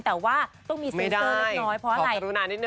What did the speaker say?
แต่ว่าต้องมีเซ็นเซอร์เล็กเพราะอะไร